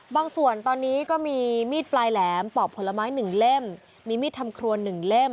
บางส่วนตอนนี้ก็มีมีดปลายแหลมปอกผลไม้๑เล่มมีมีดทำครัว๑เล่ม